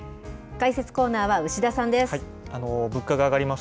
解説コーナーは牛田さんです。